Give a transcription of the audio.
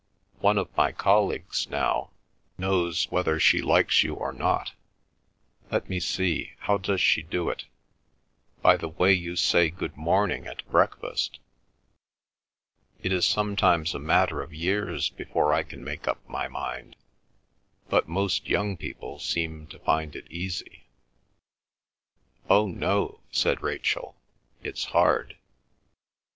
One of my colleagues now, knows whether she likes you or not—let me see, how does she do it?—by the way you say good morning at breakfast. It is sometimes a matter of years before I can make up my mind. But most young people seem to find it easy?" "Oh no," said Rachel. "It's hard!"